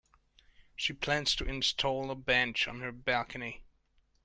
She plans to install a bench on her balcony.